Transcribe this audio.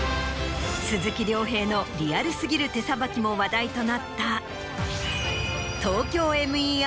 鈴木亮平のリアル過ぎる手さばきも話題となった。